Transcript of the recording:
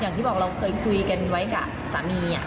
อย่างที่บอกเราเคยคุยกันไว้กับสามี